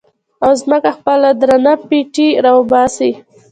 او ځمکه خپل درانه پېټي را وباسي